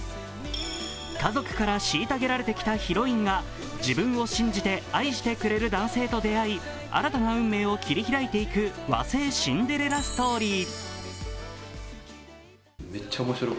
家族から虐げられてきたヒロインが自分を信じて愛してくれる男性と出会い新たな運命を切り開いていく和製シンデレラストーリー。